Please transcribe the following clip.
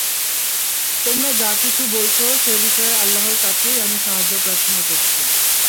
তোমরা যা কিছু বলছ সে বিষয়ে আল্লাহর কাছেই আমি সাহায্য প্রার্থনা করছি।